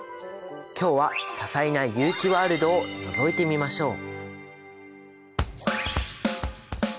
今日は多彩な有機ワールドをのぞいてみましょう。